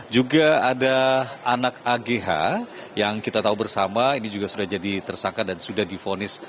juga ada anak agh yang kita tahu bersama ini juga sudah jadi tersangka dan sudah difonis